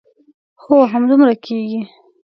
هو همدومره کېږي.